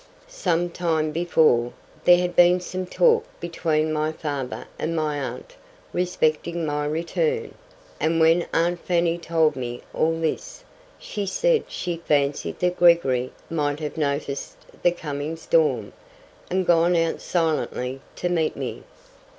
Some time before, there had been some talk between my father and my aunt respecting my return; and when aunt Fanny told me all this, she said she fancied that Gregory might have noticed the coming storm, and gone out silently to meet me.